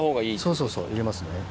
そうそうそう入れますね。